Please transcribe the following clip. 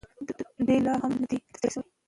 دی لا هم نه دی ستړی شوی.